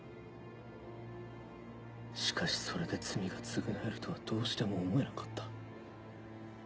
しかしそれで罪が償えるとはどうしても思えなかった。